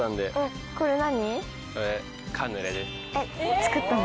作ったの？